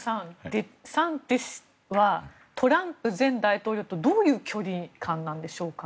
デサンティス氏はトランプ前大統領とどういう距離感なんでしょうか。